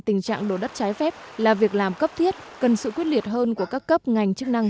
tình trạng đổ đất trái phép là việc làm cấp thiết cần sự quyết liệt hơn của các cấp ngành chức năng